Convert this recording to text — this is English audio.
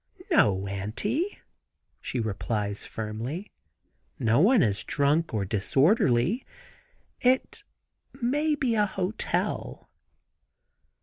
"No, auntie," she replies firmly. "No one is drunk or disorderly. It may be a hotel."